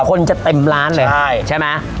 คนจะเต็มร้านเลยใช่ไหม